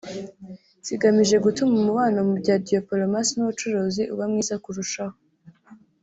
zigamije gutuma umubano mu bya diopolomasi n’ ubucuruzi uba mwiza kurushaho